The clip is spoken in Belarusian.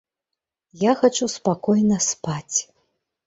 Я хачу спакойна спаць.